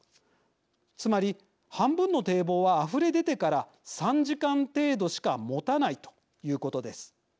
つまり半分の堤防はあふれ出てから３時間程度しかもたないということです。